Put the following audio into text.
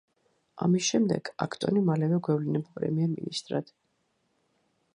ამის შემდეგ, აქტონი მალევე გვევლინება პრემიერ-მინისტრად.